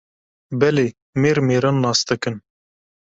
Belê mêr mêran nas dikin.